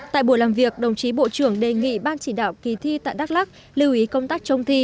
tại buổi làm việc đồng chí bộ trưởng đề nghị ban chỉ đạo kỳ thi tại đắk lắc lưu ý công tác trông thi